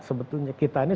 sebetulnya kita ini